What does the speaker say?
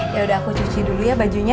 yaudah aku cuci dulu ya bajunya